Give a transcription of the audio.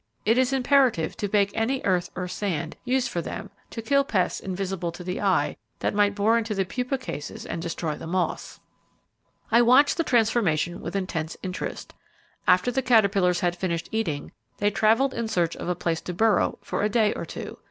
It is imperative to bake any earth or sand used for them to kill pests invisible to the eye, that might bore into the pupa cases and destroy the moths. I watched the transformation with intense interest. After the caterpillars had finished eating they travelled in search of a place to burrow for a day or two.